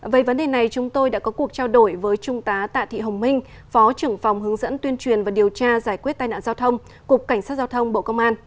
về vấn đề này chúng tôi đã có cuộc trao đổi với trung tá tạ thị hồng minh phó trưởng phòng hướng dẫn tuyên truyền và điều tra giải quyết tai nạn giao thông cục cảnh sát giao thông bộ công an